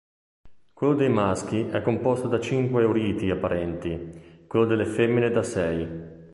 Quello dei maschi è composto da cinque uriti apparenti, quello delle femmine da sei.